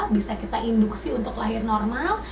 bisa kita induksi untuk lahir normal